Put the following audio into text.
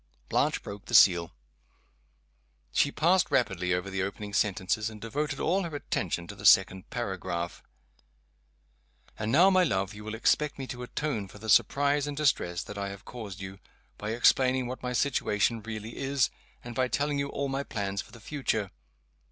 Blanche broke the seal. She passed rapidly over the opening sentences, and devoted all her attention to the second paragraph. "And now, my love, you will expect me to atone for the surprise and distress that I have caused you, by explaining what my situation really is, and by telling you all my plans for the future.